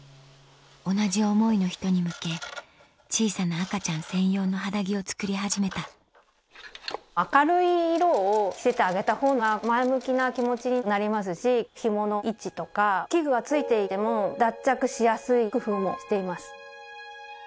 同じ思いの人に向け小さな赤ちゃん専用の肌着を作り始めた明るい色を着せてあげたほうが前向きな気持ちになりますしひもの位置とか器具が付いていても脱着しやすい工夫もしています。